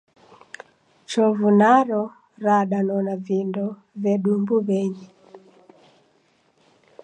Chovu naro radanona vindo vedu mbuw'enyi.